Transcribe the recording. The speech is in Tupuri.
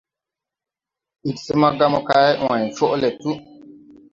Ig smaga mokay way coʼ le tu.